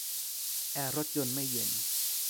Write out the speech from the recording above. แอร์รถยนต์ไม่เย็น